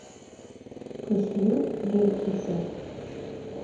Көслө ел иҫә